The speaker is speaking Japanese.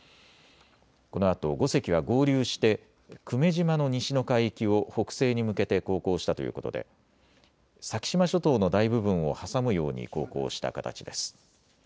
このあと５隻は合流して久米島の西の海域を北西に向けて航行したということで先島諸島の大部分を挟むように航行した形です。